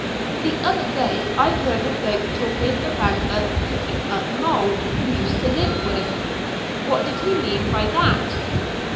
"The other day I heard a bloke talking about a 'picking up moll' he used to live with. What did he mean by that?"